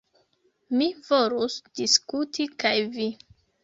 Mi volus diskuti kaj vi.